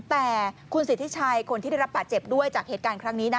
แต่คุณสิทธิชัยคนที่ได้รับบาดเจ็บด้วยจากเหตุการณ์ครั้งนี้นะ